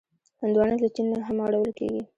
هندوانه له چین نه هم راوړل کېږي.